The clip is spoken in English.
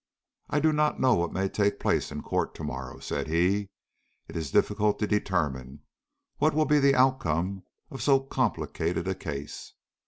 "I do not know what may take place in court to morrow," said he. "It is difficult to determine what will be the outcome of so complicated a case.